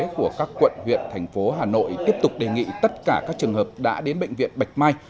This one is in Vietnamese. của các quận huyện thành phố hà nội tiếp tục đề nghị tất cả các trường hợp đã đến bệnh viện bạch mai